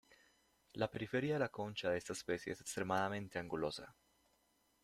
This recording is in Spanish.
La periferia de la concha de esta especie es extremadamente angulosa.